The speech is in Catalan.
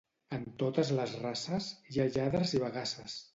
En totes les races, hi ha lladres i bagasses.